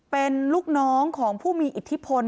เป็นลูกน้องของผู้มีอิทธิพล